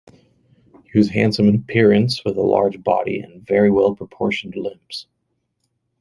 He was handsome in appearance, with a large body and very well-proportioned limbs.